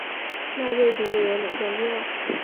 那对情侣有两张票